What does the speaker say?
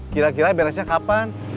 kira kira beresnya kapan